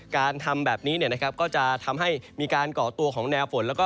การทำแบบนี้ก็จะทำให้มีการก่อตัวของแนวฝนแล้วก็